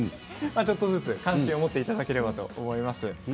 ちょっとだけ関心を持っていただければと思います。